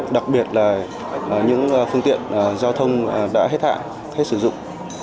đặc biệt là những phương tiện giao thông đã hết hạn hết sử dụng